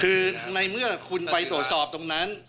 คือในเมื่อคุณไปตรวจสอบตรงนั้น